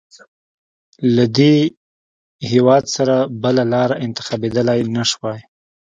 له دې هېواد سره بله لاره انتخابېدلای نه شوای.